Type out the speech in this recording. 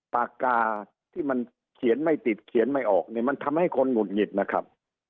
ปากกาที่มันเขียนไม่ติดเขียนไม่ออกเนี่ยมันทำให้คนหุดหงิดนะครับ